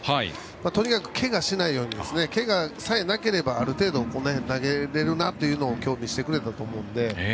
とにかく、けがしないようにけがさえなければある程度投げられるなというのを今日見せてくれたと思うので。